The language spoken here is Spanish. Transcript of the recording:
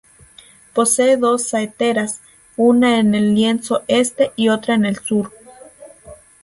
Posee dos saeteras, una en el lienzo este y otra en el sur.